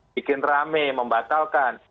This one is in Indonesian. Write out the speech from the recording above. bikin rame membatalkan